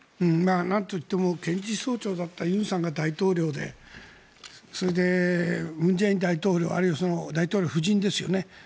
なんといっても検事総長だった尹さんが大統領でそれで文在寅大統領あるいは大統領夫人ですよね。